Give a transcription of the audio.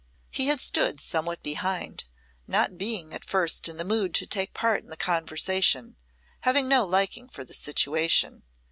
He had stood somewhat behind, not being at first in the mood to take part in the conversation, having no liking for the situation.